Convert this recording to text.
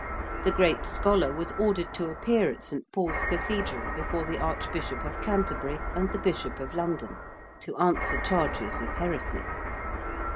The great scholar was ordered to appear at St. Paul's Cathedral before the Archbishop of Canterbury and the Bishop of London, to answer charges of heresy.